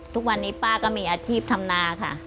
ทุกวันนี้ป้าก็มีอาชีพทำนาค่ะ